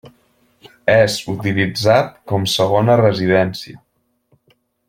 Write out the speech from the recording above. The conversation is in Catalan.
És utilitzat com segona residència.